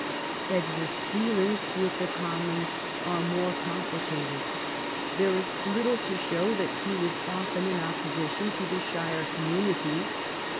Edward's dealings with the commons are more com [)Iicated. There is little to show that he was often in opposition to the shire communities.